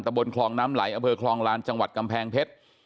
บนคลองน้ำไหลอำเภอคลองลานจังหวัดกำแพงเพชร